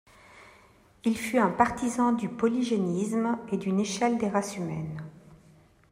Il fut un partisan du polygénisme et d'une échelle des races humaines.